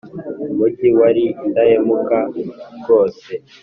umugi wari indahemuka rwose